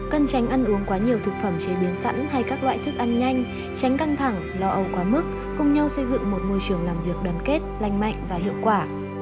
cần tránh ăn uống quá nhiều thực phẩm chế biến sẵn hay các loại thức ăn nhanh tránh căng thẳng lo âu quá mức cùng nhau xây dựng một môi trường làm việc đoàn kết lành mạnh và hiệu quả